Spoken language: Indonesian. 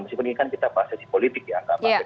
mesti peningkan kita bahas sisi politik ya